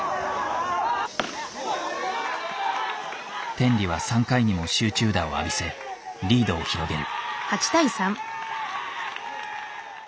天理は３回にも集中打を浴びせリードを広げる。